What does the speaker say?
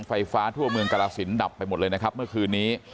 ไฟฟ้าทั่วเมืองกรสินดับไปหมดเลยนะครับเมื่อคืนนี้